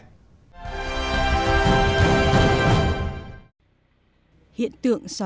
hiện tượng xói mòn